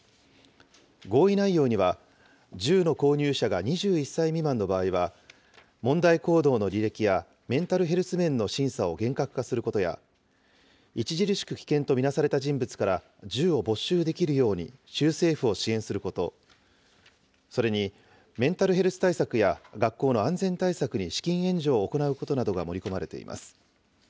合意内容には、銃の購入者が２１歳未満の場合は、問題行動の履歴やメンタルヘルス面の審査を厳格化することや、著しく危険と見なされた人物から銃を没収できるように州政府を支援すること、それにメンタルヘルス対策や学校の安全対策に資金援助を行うことなどが盛り込まれています。